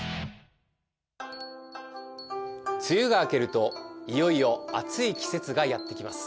梅雨が明けるといよいよ暑い季節がやってきます。